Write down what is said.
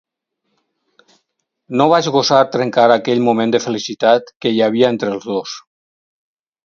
No vaig gosar trencar aquell moment de felicitat que hi havia entre els dos.